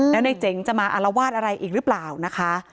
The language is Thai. แล้วในเจ๋งจะมาอารวาสอะไรอีกหรือเปล่านะคะ